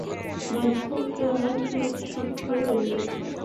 বার্ধক্যে আমার চুল শুভ্র হয়ে গেছে।